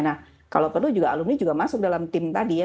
nah kalau perlu juga alumni juga masuk dalam tim tadi ya